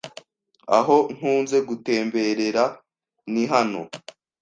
aho nkunze gutemberera nihano